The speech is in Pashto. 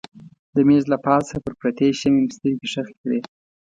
د مېز له پاسه پر پرتې شمعې مې سترګې ښخې کړې.